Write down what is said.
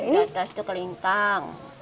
di atas itu kelintang